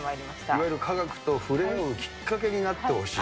いわゆる科学と触れ合うきっかけになってほしい。